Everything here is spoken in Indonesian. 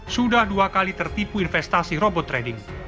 sudah dua kali tertipu investasi robot trading